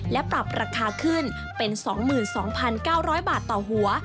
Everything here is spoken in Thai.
และปรับราคาขึ้นเป็น๒๒๙๐๐บาทต่อหัว